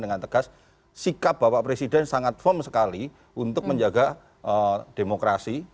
dengan tegas sikap bapak presiden sangat firm sekali untuk menjaga demokrasi